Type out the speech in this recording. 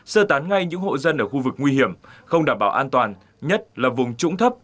sơ tán ngay những hộ dân ở khu vực nguy hiểm không đảm bảo an toàn nhất là vùng trũng thấp